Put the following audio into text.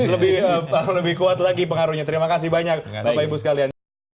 lebih kuat lagi pengaruhnya terima kasih banyak bapak ibu sekalian